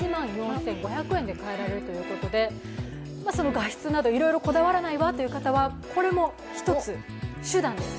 画質など、いろいろこだわらないわという方は、これも１つ手段です。